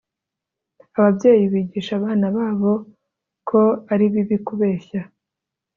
Ababyeyi bigisha abana babo ko ari bibi kubeshya